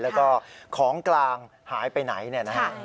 แล้วก็ของกลางหายไปไหนเนี่ยนะฮะ